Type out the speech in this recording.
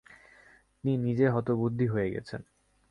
তিনি নিজে হতবুদ্ধি হয়ে গেছেন।